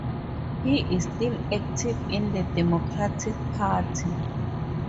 He is still active in the Democratic Party.